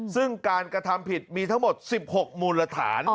ซึ่งการกระทำผิดมีทั้งหมด๑๖มูลฐาน